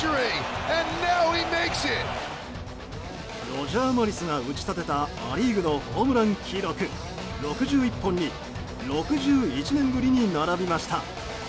ロジャー・マリスが打ち立てたア・リーグのホームラン記録６１本に６１年ぶりに並びました。